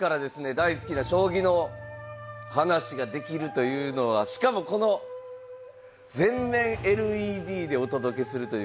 大好きな将棋の話ができるというのはしかもこの全面ＬＥＤでお届けするという。